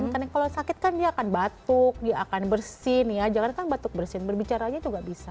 kan kalau sakit kan dia akan batuk dia akan bersin ya jangan jangan batuk bersin berbicara aja juga bisa